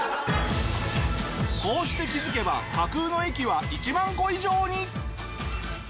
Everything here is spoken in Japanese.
こうして気づけば架空の駅は１万個以上に！